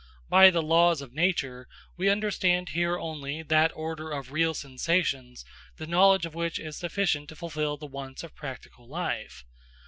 By the laws of nature, we understand here only that order of real sensations, the knowledge of which is sufficient to fulfil the wants of practical life.